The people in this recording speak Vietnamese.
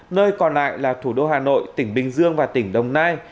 nơi còn lại là thủ đô hà nội tỉnh bình dương và tỉnh đồng nai